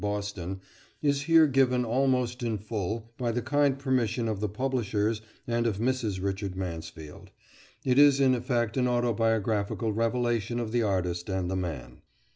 Boston, is here given almost in full by the kind permission of the publishers and of Mrs. Richard Mansfield. It is in effect an autobiographical revelation of the artist and the man.